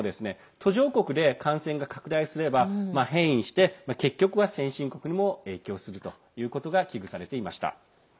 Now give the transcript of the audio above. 途上国で感染が拡大すれば変異して、結局は先進国にも影響するということが危惧されていました。